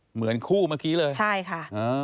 เหมือนคู่เมื่อกี้เลยใช่ค่ะ